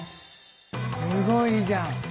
すごいじゃん。